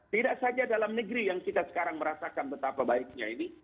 tidak saja dalam negeri yang kita sekarang merasakan betapa baiknya ini